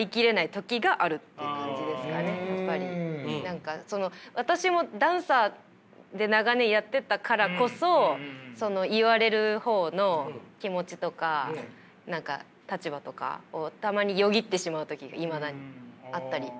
何かその私もダンサーで長年やってたからこそ言われる方の気持ちとか立場とかたまによぎってしまう時がいまだにあったり。